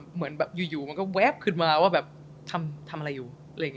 เหมือนแบบอยู่มันก็แว๊บขึ้นมาว่าแบบทำอะไรอยู่